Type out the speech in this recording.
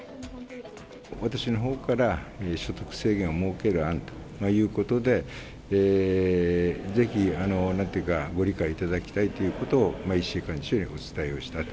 私のほうから所得制限を設ける案ということで、ぜひなんていうか、ご理解いただきたいということを、石井幹事長にお伝えをしたと。